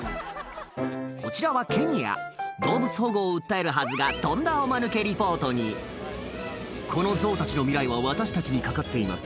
こちらはケニア動物保護を訴えるはずがとんだおマヌケリポートに「このゾウたちの未来は私たちに懸かっています」